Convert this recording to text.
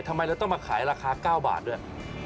ทำไมเราต้องมาขายราคา๙บาทด้วย